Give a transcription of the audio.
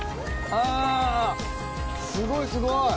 あすごいすごい。